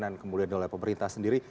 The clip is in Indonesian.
dan kemudian oleh pemerintah sendiri